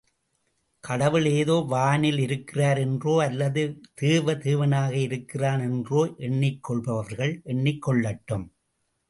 கடவுள் ஏதோ வானில் இருக்கிறார் என்றோ அல்லது தேவ தேவனாக இருக்கிறான் என்றோ எண்ணிக் கொள்பவர்கள் எண்ணிக் கொள்ளட்டும்.